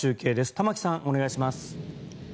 玉城さん、お願いします。